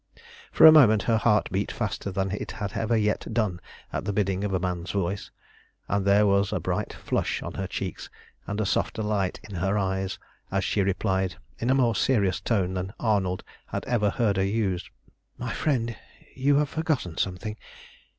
For a moment her heart beat faster than it had ever yet done at the bidding of a man's voice, and there was a bright flush on her cheeks, and a softer light in her eyes, as she replied in a more serious tone than Arnold had ever heard her use "My friend, you have forgotten something.